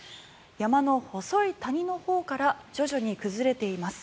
山の細い谷のほうから徐々に崩れています。